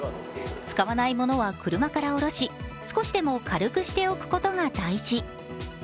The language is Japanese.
使わないものは車から降ろし少しでも軽くしておくことが大事。